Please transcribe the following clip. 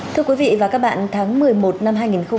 thưa quý vị và các bạn tháng một mươi một năm hai nghìn một mươi chín